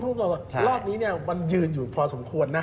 รอบนี้มันยืนอยู่พอสมควร